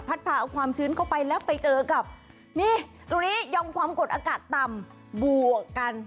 พาเอาความชื้นเข้าไปแล้วไปเจอกับนี่ตรงนี้ยอมความกดอากาศต่ำบวกกัน